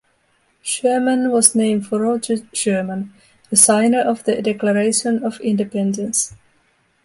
Sherman was named for Roger Sherman, a signer of the Declaration of Independence.